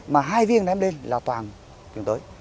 mà hai viên ném lên là toàn trường tối